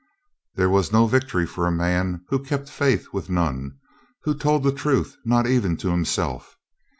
There was no victory for a man who kept faith with none, who told the truth not even to himself.